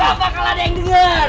gak bakal ada yang denger